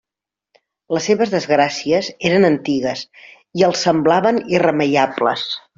Les seves desgràcies eren antigues i els semblaven irremeiables.